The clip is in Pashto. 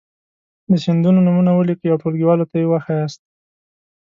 د سیندونو نومونه ولیکئ او ټولګیوالو ته یې وښایاست.